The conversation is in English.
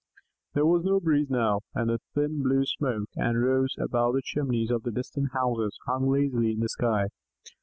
There was no breeze now, and the thin blue smoke that rose above the chimneys of the distant houses hung lazily in the sky.